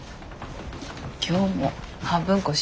今日も半分こしますか？